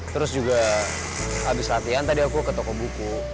terus juga habis latihan tadi aku ke toko buku